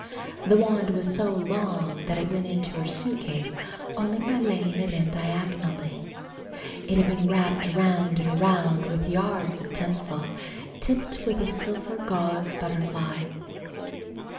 The wand was so long that it went into her suitcase only by laying it in diagonally. It had been wrapped around and around with yards of tinsel, tipped with a silver gauze butterfly.